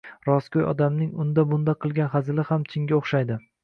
Rostgo‘y odamning unda-munda qilgan hazili ham chinga o‘xshaydi.